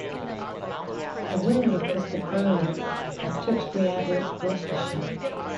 Her will requested burial at Tewkesbury Abbey, Gloucestershire.